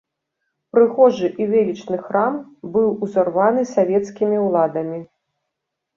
Прыгожы і велічны храм быў узарваны савецкімі ўладамі.